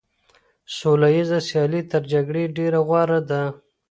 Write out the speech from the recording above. سوله ييزه سيالي تر جګړې ډېره غوره ده.